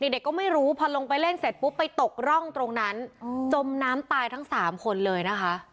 เด็กก็ไม่รู้พอลงไปเล่นเสร็จปุ๊บไปตกร่องตรงนั้นจมน้ำตายทั้ง๓คนเลยนะคะ